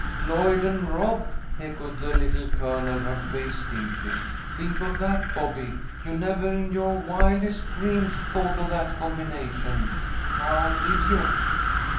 "Lloyd and Rob," echoed the Little Colonel, her face dimpling. "Think of that, Bobby! You nevah in yoah wildest dreams thought of that combination, now did you?"